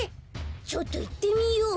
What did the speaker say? ちょっといってみよう。